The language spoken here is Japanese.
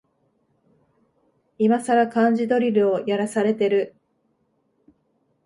いまさら漢字ドリルをやらされてる